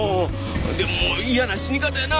でも嫌な死に方やな。